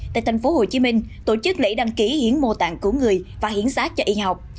tại tp hcm tổ chức lễ đăng ký hiến mô tạng cứu người và hiến sát cho y học